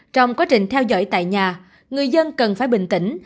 trong quá trình theo dõi tại nhà người dân cần phải bình tĩnh